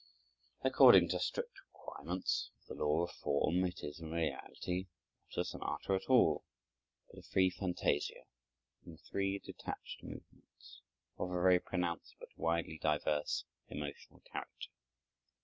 According to strict requirements of the law of form it is, in reality, not a sonata at all, but a free fantasia, in three detached movements, of a very pronounced but widely diverse emotional character.